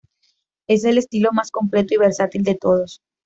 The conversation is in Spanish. Es el estilo más completo y versátil de todos...